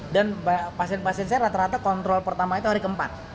dan pasien pasien saya rata rata kontrol pertama itu hari ke empat